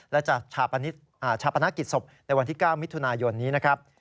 และจะชาปนกิจศพในวันที่๙มิถุนายนนี้นะครับ